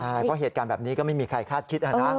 ใช่เพราะเหตุการณ์แบบนี้ก็ไม่มีใครคาดคิดนะ